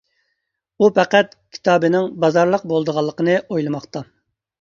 ئۇ پەقەت كىتابنىڭ بازارلىق بولىدىغانلىقىنى ئويلىماقتا.